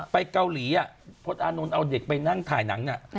ไปเกาหลีพนันเอาเด็กไปนั่งถ่ายหนัง